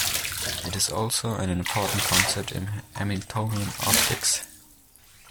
It is also an important concept in Hamiltonian optics.